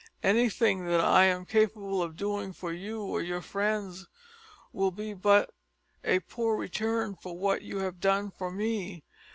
Anything that I am capable of doing for you or your friends will be but a poor return for what you have done for me.